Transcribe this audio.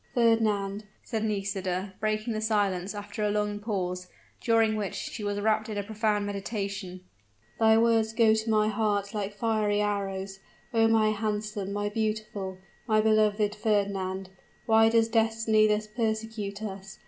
"Fernand," said Nisida, breaking silence after a long pause, during which she was wrapped in profound meditation, "thy words go to my heart like fiery arrows! O my handsome my beautiful my beloved Fernand, why does destiny thus persecute us?